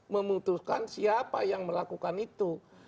memutuskan siapa yang melakukan itu